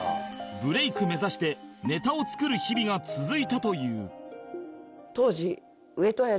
ブレイク目指してネタを作る日々が続いたという